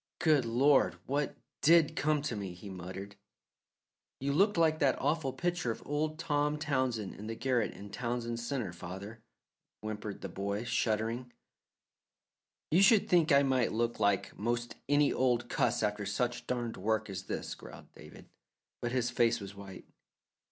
"Good Lord! What DID come to me?" he muttered. "You looked like that awful picture of old Tom Townsend in the garret in Townsend Centre, father," whimpered the boy, shuddering. "Should think I might look like 'most any old cuss after such darned work as this," growled David, but his face was white.